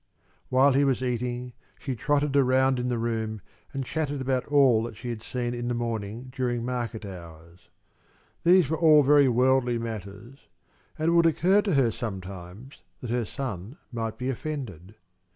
While he was eating she trotted around in the room and chattered about all that she had seen in the morning during market hours. These were all very worldly matters, and it would occur to her sometimes that her son might be offended.